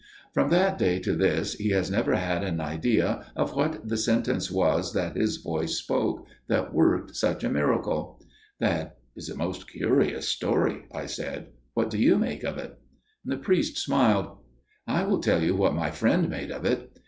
"From that day to this he has never had an idea of what the sentence was that his voice spoke that worked such a miracle." "That is a most curious story," I said. "What do you make of it?" The priest smiled. "I will tell you what my friend made of it.